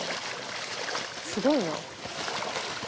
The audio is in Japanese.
すごいな。